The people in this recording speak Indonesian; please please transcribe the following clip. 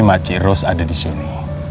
makcik rose ada disini